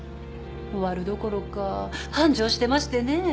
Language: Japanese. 終わるどころか繁盛してましてねぇ。